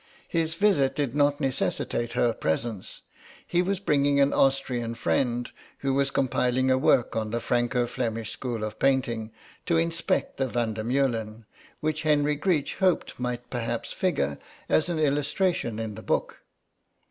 His visit did not necessitate her presence; he was bringing an Austrian friend, who was compiling a work on the Franco Flemish school of painting, to inspect the Van der Meulen, which Henry Greech hoped might perhaps figure as an illustration in the book.